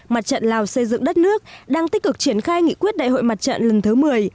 mặt trận lào xây dựng đất nước đang tích cực triển khai nghị quyết đại hội mặt trận lần thứ một mươi